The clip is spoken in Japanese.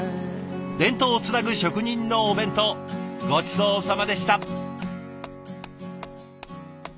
伝統をつなぐ職人のお弁当ごちそうさまでした。